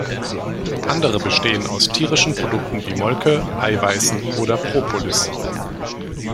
Andere bestehen aus tierischen Produkten wie Molke, Eiweißen oder Propolis.